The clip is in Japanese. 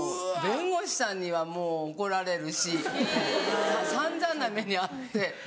弁護士さんにはもう怒られるし散々な目に遭って。